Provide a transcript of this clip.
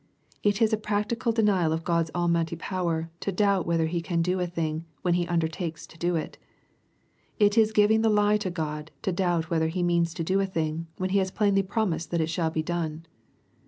It is a practical denial of God's Almighty power to doubt whether He can do a thing, when He undertakes to do it. — It is giving the lie to God to doubt whether He means to do a thing, when He has plainly promised that it shall be done.